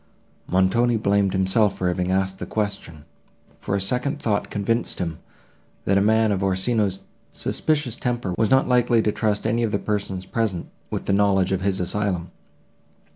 Montoni blamed himself for having asked the question, for a second thought convinced him, that a man of Orsino's suspicious temper was not likely to trust any of the persons present with the knowledge of his asylum.